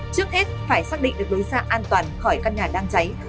trước hết phải xác định được lối xa an toàn khỏi căn nhà đang cháy